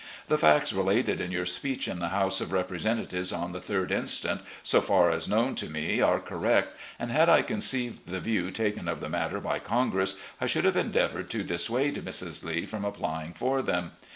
The facts related in your speech in the House of Representatives on the 3d inst., so far as known to me, are correct, and had I conceived the view taken of the matter by Congress I should have endeavoured to dis suade Mrs. Lee from applying for them.